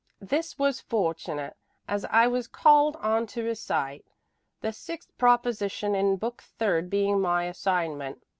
This was fortunate, as I was called on to recite, the sixth proposition in book third being my assignment.